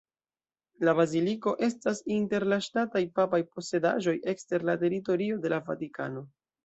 La baziliko estas inter la "ŝtataj papaj posedaĵoj ekster la teritorio de la Vatikano".